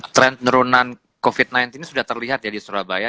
trend nerunan covid sembilan belas ini sudah terlihat ya di surabaya